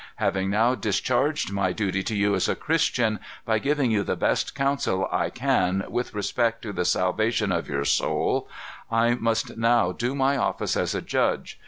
Having now discharged my duty to you as a Christian, by giving you the best council I can with respect to the salvation of your soul, I must now do my office as a judge.